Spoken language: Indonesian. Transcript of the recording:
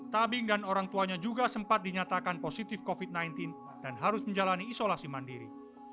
tabing dan orang tuanya juga sempat dinyatakan positif covid sembilan belas dan harus menjalani isolasi mandiri